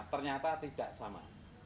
ternyata tidak sama